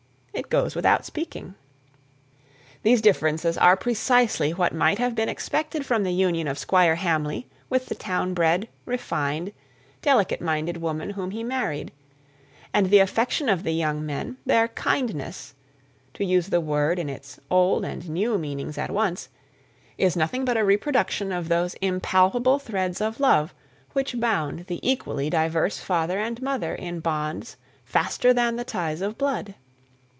"It goes without speaking." These differences are precisely what might have been expected from the union of Squire Hamley with the town bred, refined, delicate minded woman whom he married; and the affection of the young men, their kindness (to use the word in its old and new meanings at once) is nothing but a reproduction of those impalpable threads of love which bound the equally diverse father and mother in bonds faster than the ties of blood.